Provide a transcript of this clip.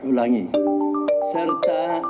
ulangi serta mengutamakan kepentingan bangsa dan negara